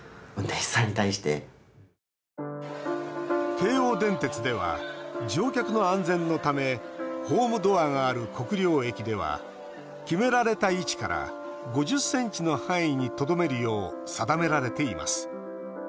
京王電鉄では乗客の安全のためホームドアがある国領駅では決められた位置から５０ｃｍの範囲にとどめるよう定められています。